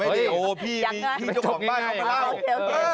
ไม่ได้พี่มีพี่เจ้าของบ้านให้เล่า